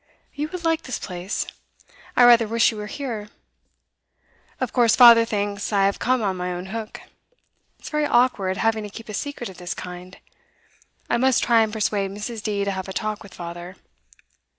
You would like this place; I rather wish you were here. Of course father thinks I have come on my own hook. It's very awkward having to keep a secret of this kind; I must try and persuade Mrs. D. to have a talk with father.